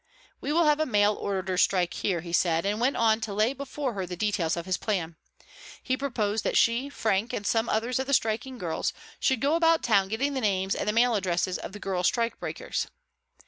"We will have a mail order strike here," he said and went on to lay before her the details of his plan. He proposed that she, Frank, and some others of the striking girls, should go about town getting the names and the mail addresses of the girl strikebreakers.